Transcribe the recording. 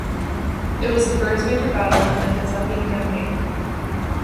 It was the first major battle in the Kentucky Campaign.